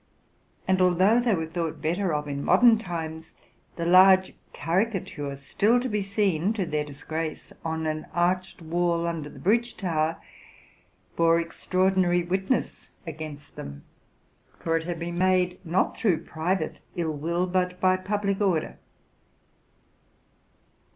And although they were thought better of in modern times, the large caricature, still to be seen, to their disgrace, on an arched wall under the hridge tower, bore extraordinary witness against them; for it had been made, not through private ill will, but by public order.